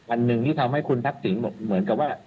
อันหนึ่งที่ทำให้คุณทักษิณบอกเหมือนกับว่า